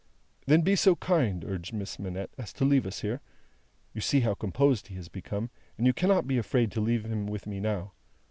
"Then be so kind," urged Miss Manette, "as to leave us here. You see how composed he has become, and you cannot be afraid to leave him with me now.